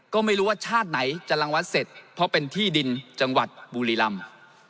ก็ไม่รู้ว่าชาติไหนจะลังวัดเสร็จเพราะเป็นที่ดินจังหวัดบุรีรำ